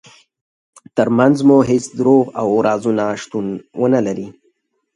ترمنځ مو هیڅ دروغ او رازونه شتون ونلري.